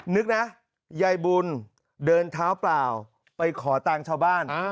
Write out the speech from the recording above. นึกนะยายบุญเดินเท้าเปล่าไปขอตังค์ชาวบ้าน